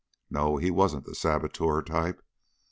No ... he wasn't the saboteur type.